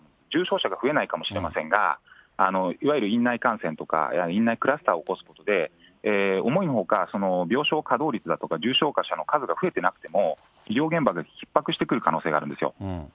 重症者が増えないかもしれませんが、いわゆる院内感染とか、院内クラスターを起こすことで、思いのほか、病床稼働率だとか、重症者の数が増えてなくても、医療現場がひっ迫してくる可能性があるんですよ。